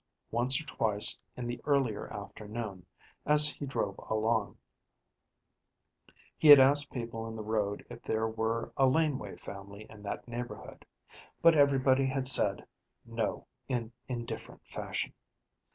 Once or twice in the earlier afternoon, as he drove along, he had asked people in the road if there were a Laneway family in that neighborhood, but everybody had said no in indifferent fashion.